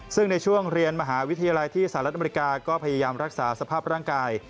ซึ่งในช่วงเรียนมหาวิทยาลัยที่สหรัฐอเมริกาก็พยายามรักษาสภาพร่างกาย